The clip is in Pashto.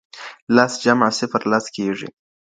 لس جمع صفر؛ لس کېږي.